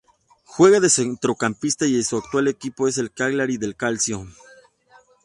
Juega de centrocampista y su actual equipo es el Cagliari Calcio.